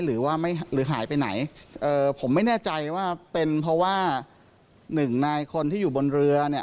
หรือหายไปไหนผมไม่แน่ใจว่าเป็นเพราะว่า๑นายคนที่อยู่บนเรือเนี่ย